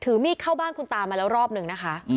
มีดเข้าบ้านคุณตามาแล้วรอบหนึ่งนะคะ